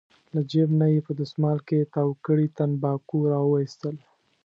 له جېب نه یې په دستمال کې تاو کړي تنباکو راوویستل.